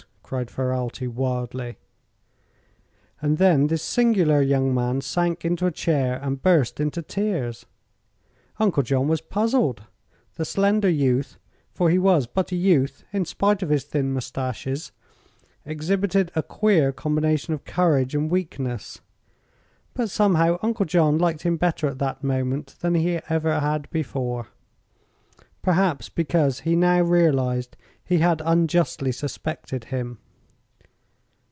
cried Ferralti, wildly. And then this singular young man sank into a chair and burst into tears. Uncle John was puzzled. The slender youth for he was but a youth in spite of his thin moustaches exhibited a queer combination of courage and weakness; but somehow Uncle John liked him better at that moment than he ever had before. Perhaps because he now realized he had unjustly suspected him.